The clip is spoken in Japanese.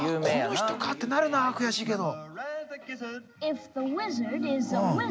この人かってなるなあ悔しいけど。